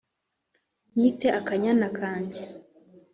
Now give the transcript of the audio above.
nkite akanyana kanjye